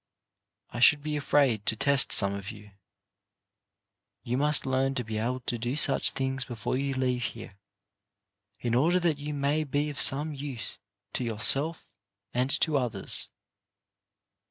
I should be afraid to test some of you. You must learn to be able to do such things before you leave here, in order that you may be of some use to yourself and to others.